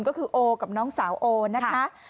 ก็คือโอกับน้องสาวโอนะคะ